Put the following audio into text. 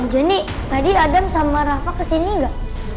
jadi tadi adam sama rafa kesini gak